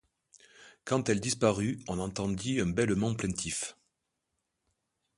Quand elle disparut, on entendit un bêlement plaintif.